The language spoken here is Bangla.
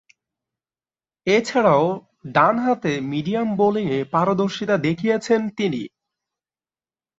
এছাড়াও, ডানহাতে মিডিয়াম বোলিংয়ে পারদর্শীতা দেখিয়েছেন তিনি।